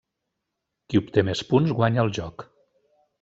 Qui obté més punts guanya el joc.